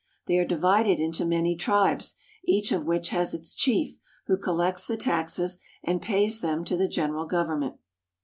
They are divided into many tribes, each of which has its chief who collects the taxes and pays them to the general government.